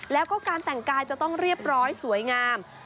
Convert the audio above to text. แล้วก็การแต่งกายจะต้องเรียบร้อยสวยงาม